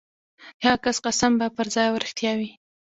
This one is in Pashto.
د هغه کس قسم به پرځای او رښتیا وي.